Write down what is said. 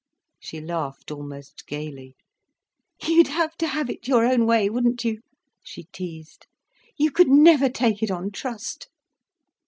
She laughed almost gaily. "You'd have to have it your own way, wouldn't you?" she teased. "You could never take it on trust."